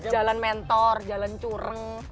jalan mentor jalan curang